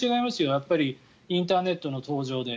やっぱりインターネットの登場で。